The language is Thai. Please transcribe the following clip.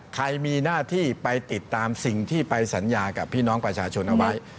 ใครมีหน้าที่ไปติดตามสิ่งที่ไปสัญญากับพี่น้องประชาชนเอาไว้